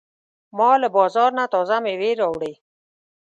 ما له بازار نه تازه مېوې راوړې.